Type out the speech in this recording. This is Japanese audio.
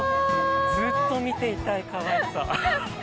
ずっと見ていたいかわいさ。